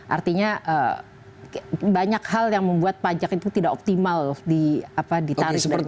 artinya banyak hal yang membuat pajak itu tidak optimal ditarik dari pemerintah